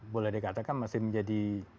boleh dikatakan masih menjadi